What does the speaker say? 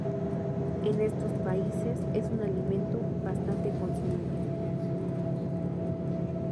En estos países es un alimento bastante consumido.